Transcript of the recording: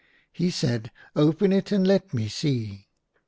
He said, " Open it, and let me see."